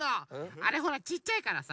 あれほらちっちゃいからさ。